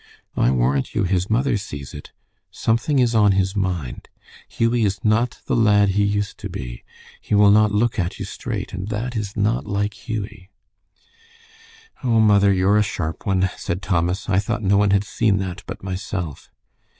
"I warrant you his mother sees it. Something is on his mind. Hughie is not the lad he used to be. He will not look at you straight, and that is not like Hughie." "Oh, mother, you're a sharp one," said Thomas. "I thought no one had seen that but myself.